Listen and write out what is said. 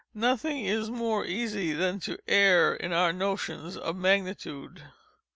Nothing is more easy than to err in our notions of magnitude.